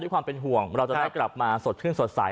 ความเป็นห่วงเราจะได้กลับมาสดชื่นสดใส